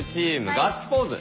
ガッツポーズ